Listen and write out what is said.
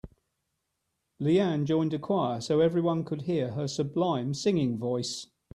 Leanne joined a choir so everyone could hear her sublime singing voice.